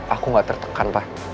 aku gak tertekan pa